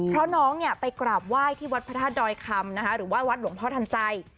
เพราะน้องเนี่ยไปกราบไหว้ที่วัดพระธาตุดอยคำหรือไห้วัดหลวงพ่อทันใจ